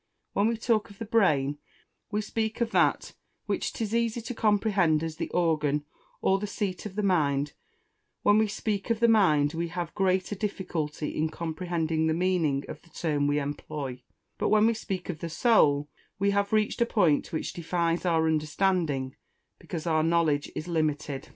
When we talk of the brain, we speak of that which it is easy to comprehend as the organ, or the seat of the mind; when we speak of the mind, we have greater difficulty in comprehending the meaning of the term we employ; but when we speak of the Soul, we have reached a point which defies our understanding, because our knowledge is limited.